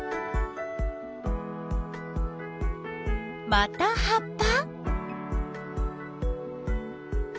また葉っぱ？